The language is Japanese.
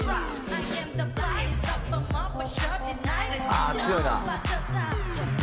「ああ強いな！」